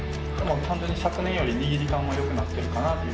単純に昨年よりは握り感はよくなっているかなという。